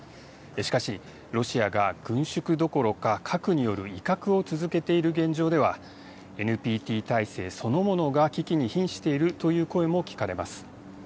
しかし、ロシアが軍縮どころか、核による威嚇を続けている現状では、ＮＰＴ体制そのものが危機にひんしているという声も聞かれます。